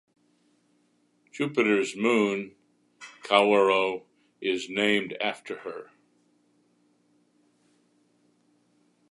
Jupiter's moon Callirrhoe is named after her.